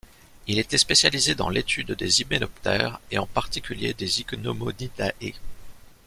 Il était spécialisé dans l'études des hyménoptères et en particulier des Ichneumonidae.